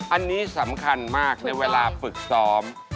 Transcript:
อันนี้สำคัญมากในเวลาฝึกซ้อม